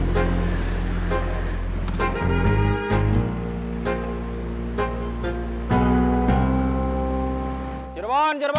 jangan lupa like share dan subscribe ya